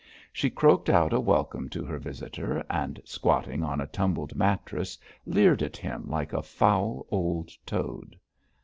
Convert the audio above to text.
She croaked out a welcome to her visitor, and squatting on a tumbled mattress, leered at him like a foul old toad.